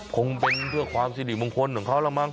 คงเป็นเพื่อความสิริมงคลของเขาแล้วมั้ง